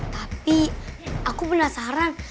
tapi aku penasaran